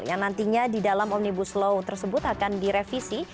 dan nantinya di dalam omnibus law tersebut akan direvisi